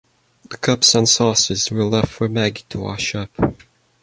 The cups and saucers were left for Maggie to wash up.